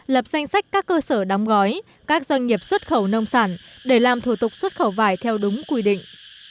lập danh sách các cơ sở đóng gói các doanh nghiệp xuất khẩu nông sản để làm thủ tục xuất khẩu vải theo đúng quy định